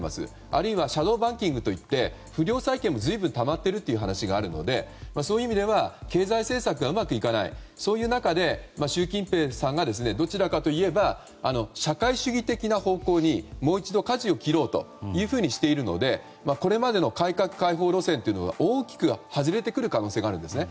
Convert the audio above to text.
あるいはシャドウバンキングといって不良債権がたまっているという話もあるのでそういう意味では経済政策がうまくいかない中で習近平さんがどちらかといえば社会主義的な方向にもう一度かじを切ろうとしているのでこれまでの改革解放路線というのは大きく外れてくる可能性があるんですね。